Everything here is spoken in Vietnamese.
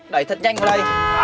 đẩy thật nhanh vào đây